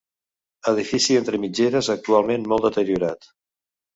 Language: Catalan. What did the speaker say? Edifici entre mitgeres, actualment molt deteriorat.